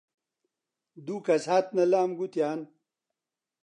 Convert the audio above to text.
دوو کەس هاتنە لام گوتیان: